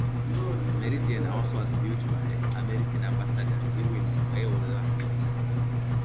Meridian House was built by American Ambassador Irwin Boyle Laughlin.